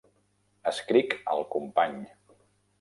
Escric al company.